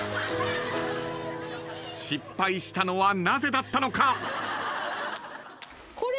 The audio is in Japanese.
失敗したのはなぜだったのか？